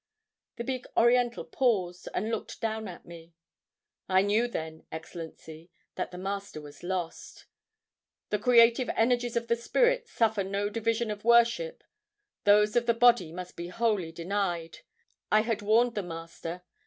The big Oriental paused, and looked down at me. "I knew then, Excellency, that the Master was lost! The creative energies of the Spirit suffer no division of worship; those of the body must be wholly denied. I had warned the Master.